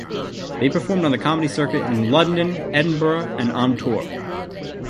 They performed on the comedy circuit in London, Edinburgh and on tour.